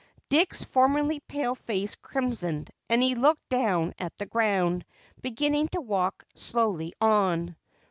Dick's formerly pale face crimsoned and he looked down at the ground, beginning to walk slowly on.